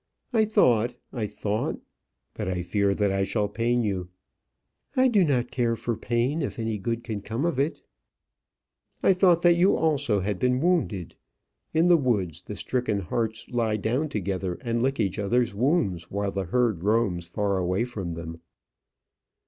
I thought I thought. But I fear that I shall pain you." "I do not care for pain if any good can come of it." "I thought that you also had been wounded. In the woods, the stricken harts lie down together and lick each other's wounds while the herd roams far away from them."